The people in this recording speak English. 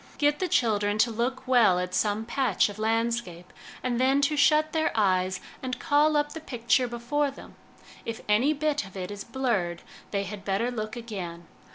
Get the children to look well at some patch of landscape, and then to shut their eyes and call up the picture before them ; if any bit of it is blurred, they had better look again.